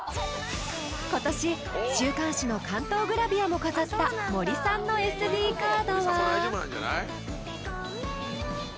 ［今年週刊誌の巻頭グラビアも飾った森さんのＳＤカードは？］